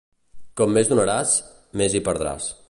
Com més donaràs, més hi perdràs.